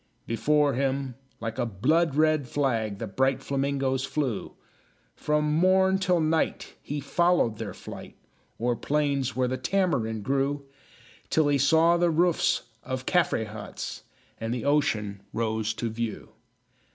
Before him, like a blood red flag, The bright flamingoes flew; From morn till night he followed their flight, O'er plains where the tamarind grew, Till he saw the roofs of Caffre huts, And the ocean rose to view.